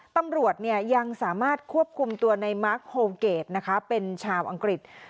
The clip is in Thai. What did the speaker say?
ตำรวจยังสามารถควบคุมตัวในมาร์คโฮเกดนะคะเป็นชาวอังกฤษ